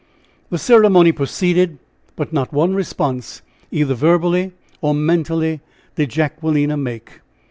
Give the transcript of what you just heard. The ceremony proceeded. But not one response, either verbally or mentally, did Jacquelina make.